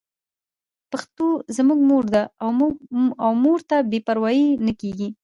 پښتو زموږ مور ده او مور ته بې پروايي نه کېږي.